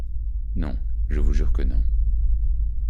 Non, je vous jure que non...